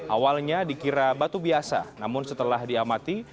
awalnya dikira batu biasa namun setelah diamati